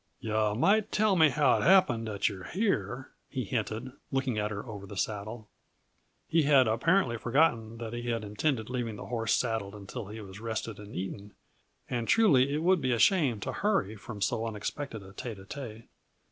"Yuh might tell me how it happened that you're here," he hinted, looking at her over the saddle. He had apparently forgotten that he had intended leaving the horse saddled until he had rested and eaten and truly it would be a shame to hurry from so unexpected a tête à tête.